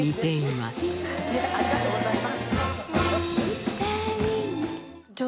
ありがとうございます。